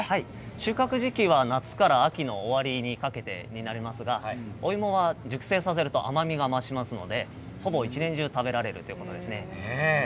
収穫時期は夏から秋の終わりにかけてになりますがお芋は熟成させると、うまみが増しますのでほぼ一年中食べられるということです。